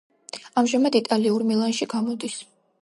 ამჟამად იტალიურ „მილანში“ გამოდის.